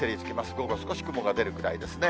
午後、少し雲が出るくらいですね。